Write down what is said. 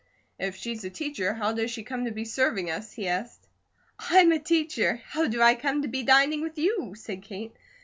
"If she's a teacher, how does she come to be serving us?" he asked. "I'm a teacher; how do I come to be dining with you?" said Kate.